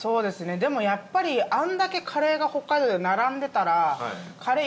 でもやっぱりあれだけカレーが北海道で並んでたら。